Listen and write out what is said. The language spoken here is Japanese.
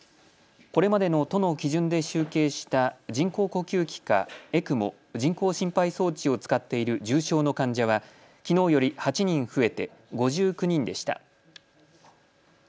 これまでの都の基準で集計した人工呼吸器かＥＣＭＯ・人工心肺装置を使っている重症の患者はきのうより８人増えて５９人でした。